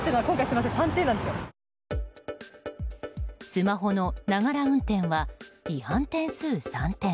スマホのながら運転は違反点数３点。